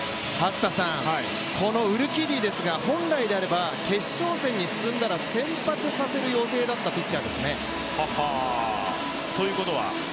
このウルキディですが、本来であれば決勝戦に進んだら先発させる予定だったピッチャーですね。